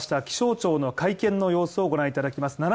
気象庁の会見の様子をご覧いただきます